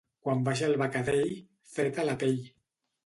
Quan baixa el becadell, fred a la pell.